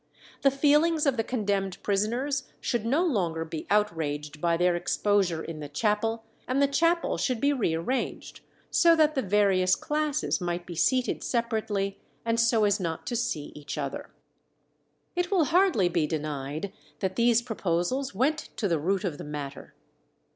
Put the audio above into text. The feelings of the condemned prisoners should no longer be outraged by their exposure in the chapel, and the chapel should be rearranged, so that the various classes might be seated separately, and so as not to see each other. It will hardly be denied that these proposals went to the root of the matter.